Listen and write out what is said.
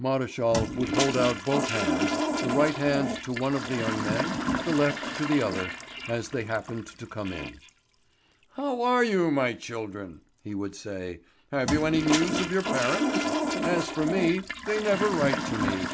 Maréchal would hold out both hands, the right hand to one of the young men, the left to the other, as they happened to come in. "How are you, my children?" he would say. "Have you any news of your parents? As for me, they never write to me."